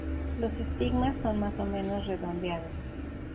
Los estigmas son más o menos redondeados.